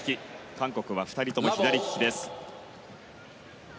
韓国は２人とも左利きです。